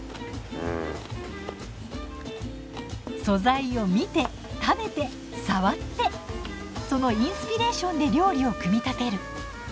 素材を見て食べて触ってそのインスピレーションで料理を組み立てる。